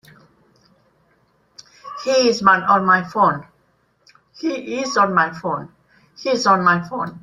He's on my phone.